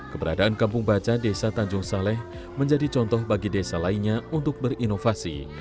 keberadaan kampung baca desa tanjung saleh menjadi contoh bagi desa lainnya untuk berinovasi